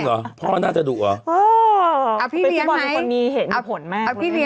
อ้ออออหรืออ่ะ